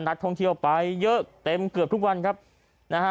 นักท่องเที่ยวไปเยอะเต็มเกือบทุกวันครับนะฮะ